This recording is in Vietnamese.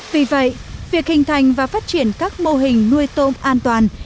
vì vậy việc hình thành và phát triển các mô hình nuôi tôm an toàn